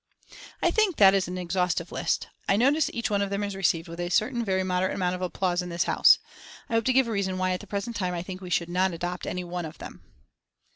I think that is an exhaustive list. I notice each one of them is received with a certain very moderate amount of applause in this House. I hope to give reason why at the present time I think we should not adopt any one of them."